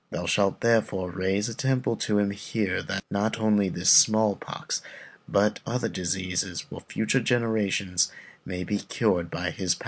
Thou shalt, therefore, raise a temple to him here that not only this small pox, but other diseases for future generations, may be cured by his power."